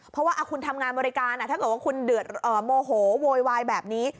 เพราะว่าคุณทำงานบริการถ้าเกิดว่าคุณเดือดโมโหโวยวายแบบนี้